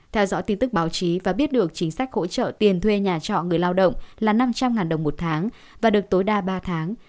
theo dõi tin tức báo chí và biết được chính sách hỗ trợ tiền thuê nhà trọ người lao động là năm trăm linh đồng một tháng và được tối đa ba tháng